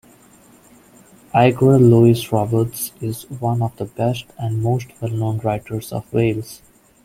Eigra Lewis Roberts is one of the best and most well-known writers of Wales.